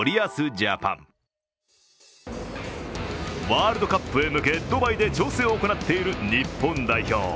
ワールドカップへ向けドバイで調整を行っている日本代表。